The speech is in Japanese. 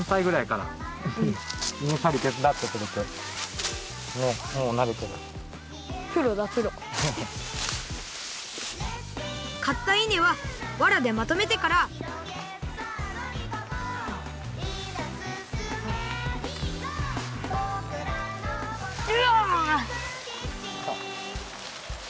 かったいねはわらでまとめてからうお！